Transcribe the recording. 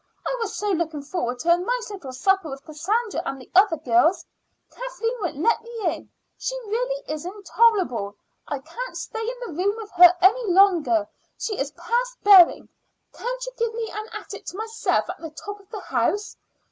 I was so looking forward to a nice little supper with Cassandra and the other girls! Kathleen won't let me in; she really is intolerable. I can't stay in the room with her any longer; she is past bearing. Can't you give me an attic to myself at the top of the house?"